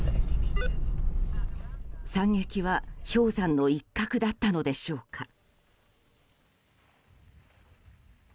惨劇は氷山の一角だったのでしょうか。